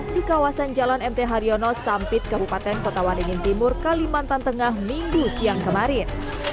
di kawasan jalan mt haryono sampit kabupaten kota waringin timur kalimantan tengah minggu siang kemarin